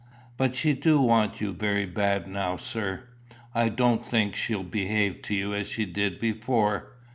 _ "But she do want you very bad now, sir. I don't think she'll behave to you as she did before.